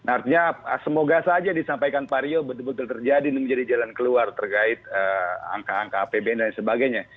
artinya semoga saja disampaikan pak rio betul betul terjadi dan menjadi jalan keluar terkait angka angka apbn dan sebagainya